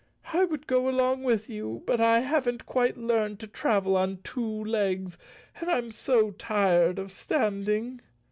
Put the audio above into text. I would go along with you, but I haven't quite learned to travel on two legs, and I'm so tired of standing."